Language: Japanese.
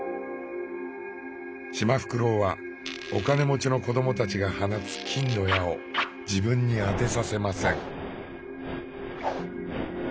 シマフクロウはお金持ちの子どもたちが放つ金の矢を自分に当てさせません。